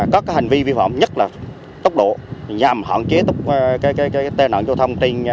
có cái hành vi vi phạm nhất là tốc độ nham hạn chế tốc độ